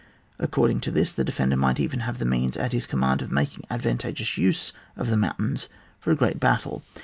— According to this, the defender might even have means at his command of making advantageous use of the mountains for a great battle.